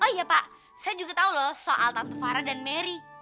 oh iya pak saya juga tahu loh soal tante farah dan mary